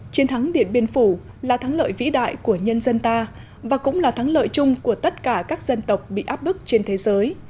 chiến thắng điện biên phủ là thắng lợi vĩ đại của nhân dân ta và cũng là thắng lợi chung của tất cả các dân tộc bị áp bức trên thế giới